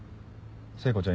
聖子ちゃん